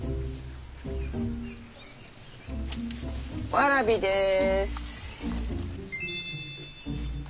わらびです。